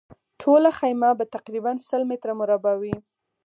ټوله خیمه به تقریباً سل متره مربع وي.